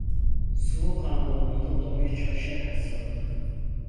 Soğukkanlılığını toplamaya çalışarak sordu: